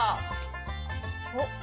おっ！